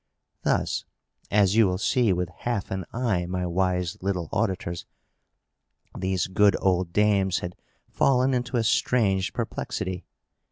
Thus (as you will see, with half an eye, my wise little auditors), these good old dames had fallen into a strange perplexity.